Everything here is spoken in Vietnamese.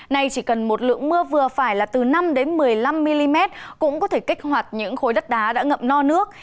nay chỉ cần một lượng mưa vừa phải là từ năm một mươi năm mm cũng có thể kích hoạt những khối đất đá đã ngậm no nước